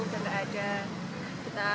untuk menghormati yang sudah tidak ada